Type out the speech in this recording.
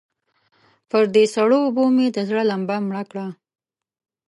پر دې سړو اوبو مې د زړه لمبه مړه کړه.